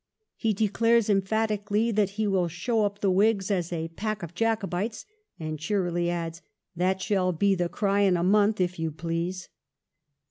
He declares emphatically that he will show up the Whigs as 'a pack of Jacobites,' and cheerily adds ' that shall be the cry in a month, if you please.'